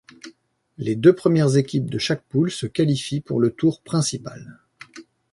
Les deux premières équipes de chaque poule se qualifient pour le tour principal.